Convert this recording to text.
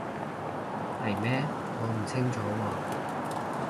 係咩？我唔清楚喎